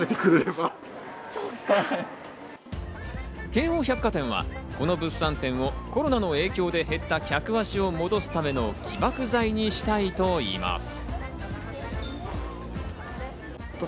京王百貨店はこの物産展をコロナの影響で減った客足を戻すための起爆剤にしたいと言います。